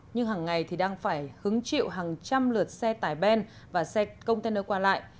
nhưng hàng ngày thì đang phải hứng chịu hàng trăm lượt xe tải ben và xe container qua lại